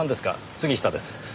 杉下です。